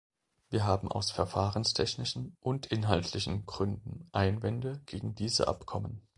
Wir haben aus verfahrenstechnischen und inhaltlichen Gründen Einwände gegen diese Abkommen.